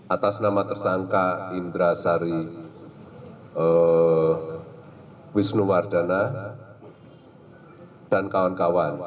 atas nama tersangka indra sari wisnuwardana dan kawan kawan